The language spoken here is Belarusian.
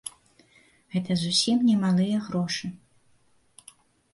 Гэта зусім немалыя грошы.